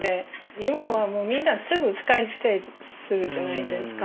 今はもうみんなすぐ使い捨てするじゃないですか。